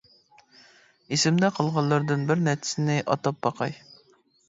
ئېسىمدە قالغانلاردىن بىر نەچچىسىنى ئاتاپ باقاي.